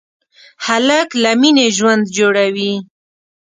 هلک له مینې ژوند جوړوي.